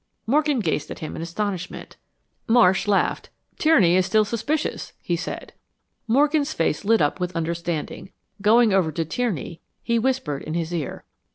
Morgan gazed at him in astonishment. Marsh laughed. "Tierney is still suspicious," he said. Morgan's face lit up with understanding. Going over to Tierney, he whispered in his ear.